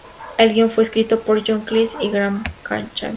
El guion fue escrito por John Cleese y Graham Chapman.